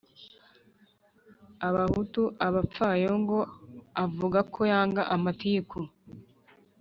abahutu abapfayo ngo avuga ko yanga amatiku